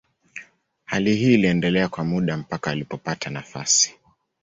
Hali hii iliendelea kwa muda mpaka alipopata nafasi.